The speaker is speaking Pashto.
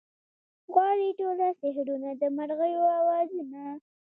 غواړي ټوله سحرونه د مرغیو اوازونه